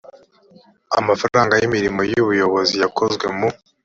amafaranga y imirimo y ubuyobozi yakozwe mu